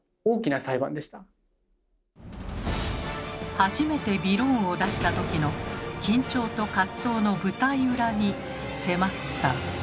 初めてびろーんを出した時の緊張と葛藤の舞台裏に迫った。